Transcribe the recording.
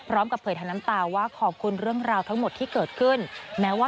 เรนเดลเขาก็พูดอย่างชัดเจนเนอะ